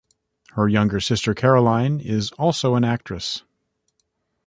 Her younger sister, Caroline, is also an actress.